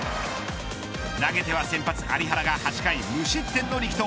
投げては先発有原が、８回無失点の力投。